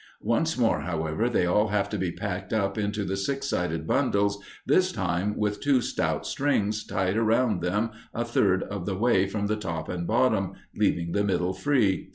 Once more, however, they all have to be packed up into the six sided bundles, this time with two stout strings tied around them a third of the way from the top and bottom, leaving the middle free.